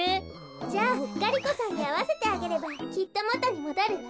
じゃあガリ子さんにあわせてあげればきっともとにもどるわ。